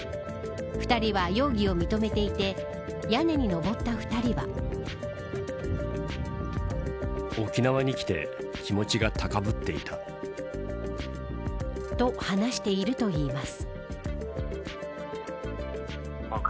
２人は容疑を認めていて屋根に上った２人は。と話しているといいます。